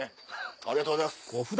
ありがとうございます。